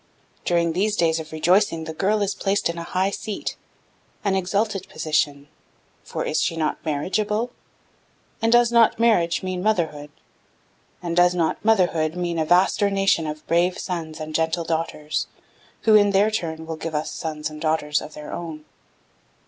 During these days of rejoicing the girl is placed in a high seat, an exalted position, for is she not marriageable? And does not marriage mean motherhood? And does not motherhood mean a vaster nation of brave sons and of gentle daughters, who, in their turn, will give us sons and daughters of their own?